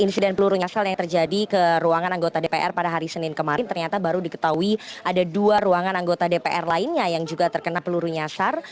insiden peluru nyasar yang terjadi ke ruangan anggota dpr pada hari senin kemarin ternyata baru diketahui ada dua ruangan anggota dpr lainnya yang juga terkena peluru nyasar